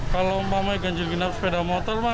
kalau memakai ganjil genap sepeda motor